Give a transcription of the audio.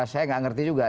saya tidak mengerti juga